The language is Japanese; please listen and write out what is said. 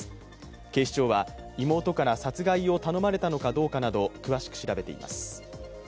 警視庁は妹から殺害を頼まれたのかどうかなど、詳しく調べています。